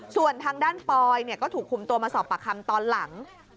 ส่วนทางด้านปอยก็ถูกคุมตัวมาสอบปากคำตอนหลัง